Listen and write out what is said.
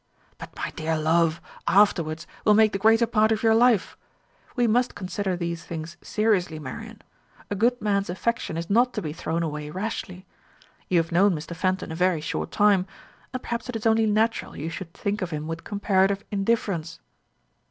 "But my dear love, 'afterwards' will make the greater part of your life. We must consider these things seriously, Marian. A good man's affection is not to be thrown away rashly. You have known Mr. Fenton a very short time; and perhaps it is only natural you should think of him with comparative indifference."